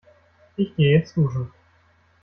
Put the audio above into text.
Ich gehe jetzt duschen.